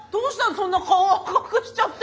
そんな顔赤くしちゃって。